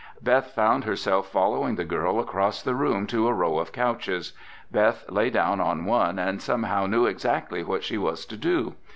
Beth found herself following the girl across the room to a row of couches. Beth lay down on one and somehow knew exactly what she was to do.